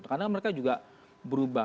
kadang mereka juga berubah